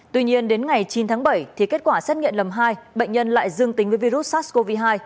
tuy nhiên đến ngày chín tháng bảy thì kết quả xét nghiệm lần hai bệnh nhân lại dương tính với virus sars cov hai